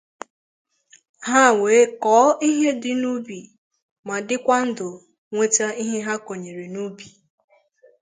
ha wee kọọ ihe n'ubi ma dịkwa ndụ weta ihe ha kọnyèrè n'ubì.